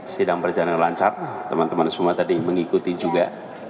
sidang berjalan lancar teman teman semua tadi mengikuti juga